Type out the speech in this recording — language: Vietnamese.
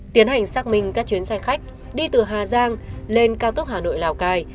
tiến hành xác minh các chuyến xe khách đi từ hà giang lên cao tốc hà nội lào cai